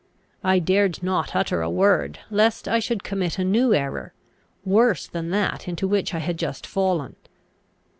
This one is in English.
I dared not utter a word, lest I should commit a new error, worse than that into which I had just fallen.